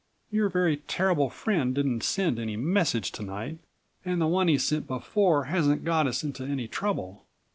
Your very terrible friend didn't send any message to night and the one he sent before hasn't got us into any trouble.